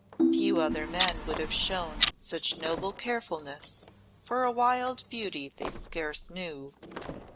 "Few other men would have shown such noble carefulness for a wild beauty they scarce knew.